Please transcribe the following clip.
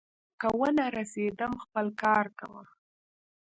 که ونه رسېدم، خپل کار کوه.